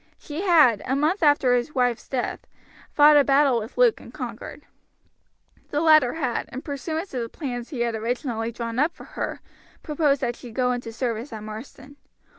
She had, a month after his wife's death, fought a battle with Luke and conquered. The latter had, in pursuance of the plans he had originally drawn up for her, proposed that she should go into service at Marsden.